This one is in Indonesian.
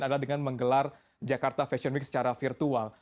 adalah dengan menggelar jakarta fashion week secara virtual